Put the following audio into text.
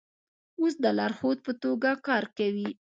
اوس د لارښود په توګه کار کوي.